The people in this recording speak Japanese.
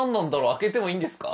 開けてもいいんですか？